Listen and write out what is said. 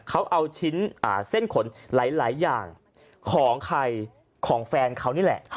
เขาเอาชิ้นเส้นขนหลายอย่างของใครของแฟนเขานี่แหละ